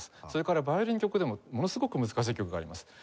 それからヴァイオリンの曲でもものすごく難しい曲があります。